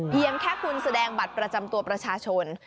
เพียงแค่คุณแสดงบัตรประจำตัวประชาชน